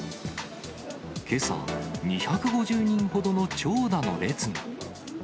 けさ、２５０人ほどの長蛇の列が。